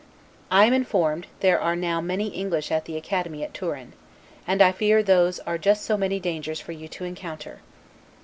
I am informed, there are now many English at the Academy at Turin; and I fear those are just so many dangers for you to encounter.